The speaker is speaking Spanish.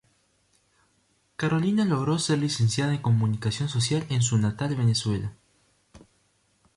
Carolina logró ser Licenciada en comunicación social en su natal Venezuela.